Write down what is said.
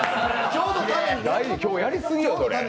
今日、やりすぎよ。